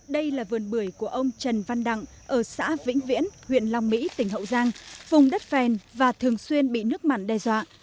đây là vườn bưởi của ông trần văn đặng ở xã vĩnh viễn huyện long mỹ tỉnh hậu giang vùng đất phèn và thường xuyên bị nước mặn đe dọa